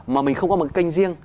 mà mình không có một cái kênh riêng